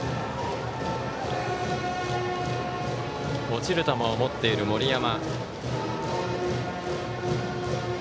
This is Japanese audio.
落ちる球を持っている森山。